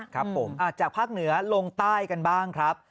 ครับผมจากภาคเหนือลงใต้กันบ้างครับ